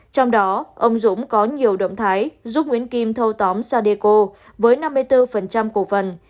trong đó ông dũng có nhiều động thái giúp nguyễn kim thâu tóm sadeco với năm mươi bốn cổ phần